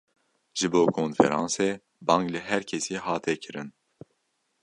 Ji bo konferansê, bang li herkesî hate kirin